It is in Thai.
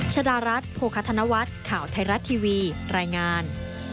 ชดารัฐโภคธนวัฒน์ข่าวไทยรัฐทีวีรายงาน